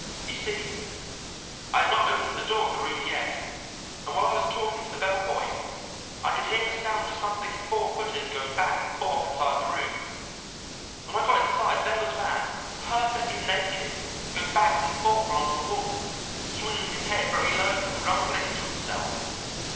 You see, I had not opened the door of the room yet, and while I was talking to the bell boy I could hear the sound of something four footed going back and forth inside the room. When I got inside there was Van, perfectly naked, going back and forth along the wall, swinging his head very low, grumbling to himself.